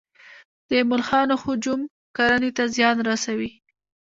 د ملخانو هجوم کرنې ته زیان رسوي؟